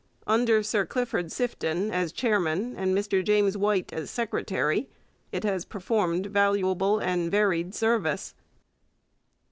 Under Sir Clifford Sifton as chairman and Mr James White as secretary it has performed valuable and varied service.